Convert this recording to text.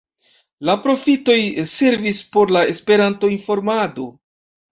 La profitoj servis por la Esperanto-informado.